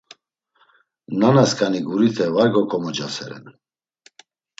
Nana skani gurite, var gakomocaseren.